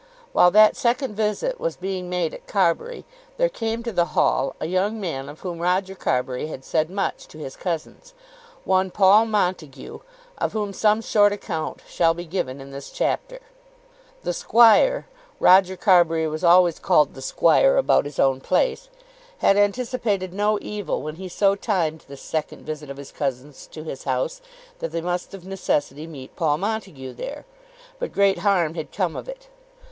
While that second visit was being made at Carbury there came to the hall a young man of whom Roger Carbury had said much to his cousins, one Paul Montague, of whom some short account shall be given in this chapter. The squire, Roger Carbury was always called the squire about his own place, had anticipated no evil when he so timed this second visit of his cousins to his house that they must of necessity meet Paul Montague there. But great harm had come of it.